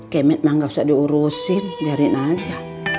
kayaknya emak gak usah diurusin biarin aja